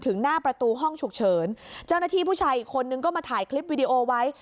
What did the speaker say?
หน้าประตูห้องฉุกเฉินเจ้าหน้าที่ผู้ชายอีกคนนึงก็มาถ่ายคลิปวิดีโอไว้